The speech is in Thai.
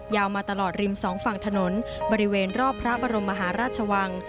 มาตลอดริมสองฝั่งถนนบริเวณรอบพระบรมมหาราชวัง